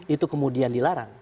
itu kemudian dilarang